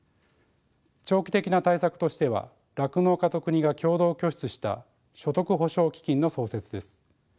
長期的な対策としては酪農家と国が共同拠出した所得補償基金の創設です。